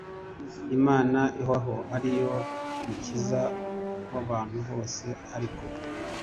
imana ihoraho ari yo mukiza w abantu bose ariko